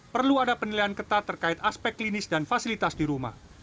perlu ada penilaian ketat terkait aspek klinis dan fasilitas di rumah